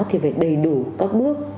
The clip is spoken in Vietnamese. thì phải đầy đủ các bước